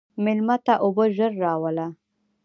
مېلمه ته اوبه ژر راوله.